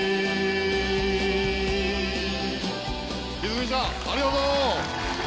泉水ちゃんありがとう！